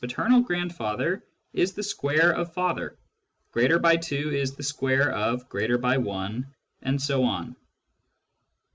Thus " paternal grandfather " is the square of " father," " greater by 2 " is the square of " greater by 1," and so on.